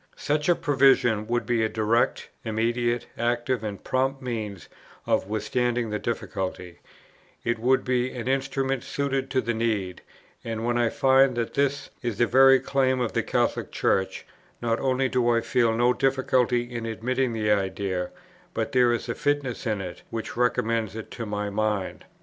Such a provision would be a direct, immediate, active, and prompt means of withstanding the difficulty; it would be an instrument suited to the need; and, when I find that this is the very claim of the Catholic Church, not only do I feel no difficulty in admitting the idea, but there is a fitness in it, which recommends it to my mind.